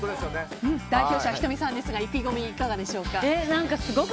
代表者、仁美さんですがいかがでしょうか？